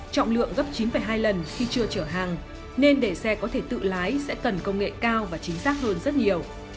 trọng lượng gấp chín hai lần khi chưa chở hàng nên để xe có thể tự lái sẽ cần công nghệ cao và chính xác hơn rất nhiều